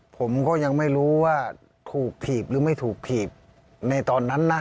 ผมก็ยังไม่รู้ว่าถูกถีบหรือไม่ถูกถีบในตอนนั้นนะ